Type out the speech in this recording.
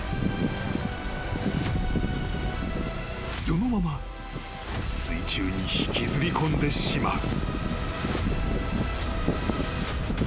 ［そのまま水中に引きずり込んでしまう］